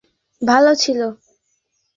খারাপ না, তবে আগেরটাও ভালো ছিল।